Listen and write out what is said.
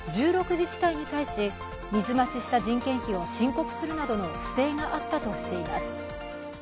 自治体に対し水増しした人件費を申告するなどの不正があったとしています。